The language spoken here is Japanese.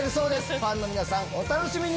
ファンの皆さんお楽しみに！